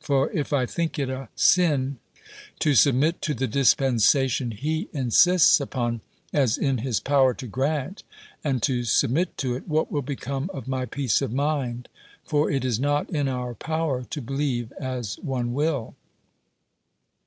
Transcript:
For if I think it a sin to submit to the dispensation he insists upon as in his power to grant, and to submit to it, what will become of my peace of mind? For it is not in our power to believe as one will.